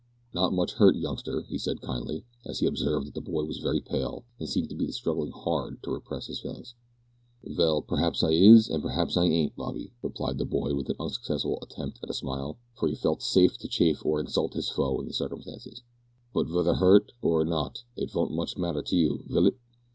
"Not much hurt, youngster," he said kindly, as he observed that the boy was very pale, and seemed to be struggling hard to repress his feelings. "Vell, p'raps I is an' p'raps I ain't, Bobby," replied the boy with an unsuccessful attempt at a smile, for he felt safe to chaff or insult his foe in the circumstances, "but vether hurt or not it vont much matter to you, vill it?"